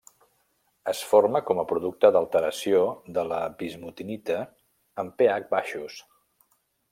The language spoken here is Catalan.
Es forma com a producte d’alteració de la bismutinita en pH baixos.